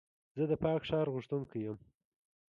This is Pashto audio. زه د پاک ښار غوښتونکی یم.